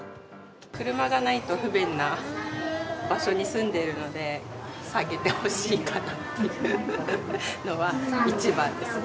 車がないと不便な場所に住んでるので、下げてほしいかなっていうのは一番ですね。